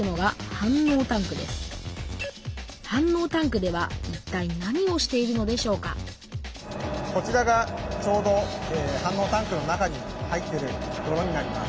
反応タンクではいったい何をしているのでしょうかこちらがちょうど反応タンクの中に入ってるどろになります。